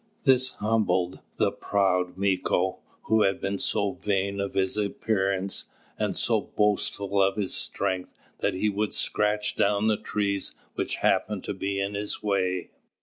This humbled the proud Mīko, who had been so vain of his appearance, and so boastful of his strength, that he would scratch down the trees which happened to be in his way.